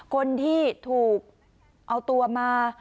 คนที่ถูกเอาตัวมา